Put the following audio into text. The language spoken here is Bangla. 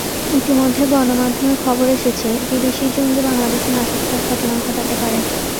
ইতিমধ্যে গণমাধ্যমে খবর এসেছে, বিদেশি জঙ্গি বাংলাদেশে নাশকতার ঘটনা ঘটাতে পারে।